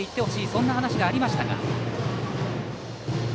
そんな話がありましたが。